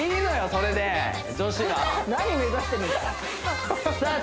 それで女子は何目指してるんですかさあ